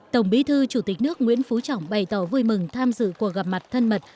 tổng bí thư chủ tịch nước nguyễn phú trọng bày tỏ vui mừng tham dự cuộc gặp mặt thân mật